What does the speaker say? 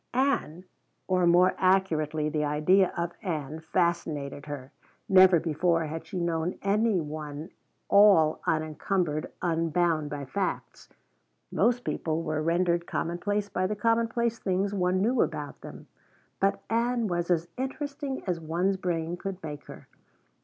Ann, or more accurately the idea of Ann, fascinated her. Never before had she known any one all unencumbered, unbound, by facts. Most people were rendered commonplace by the commonplace things one knew about them. But Ann was as interesting as one's brain could make her.